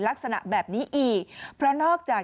ลักษณะแบบนี้อีกเพราะนอกจาก